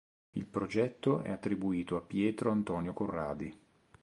Il progetto è attribuito a Pietro Antonio Corradi.